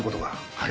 はい。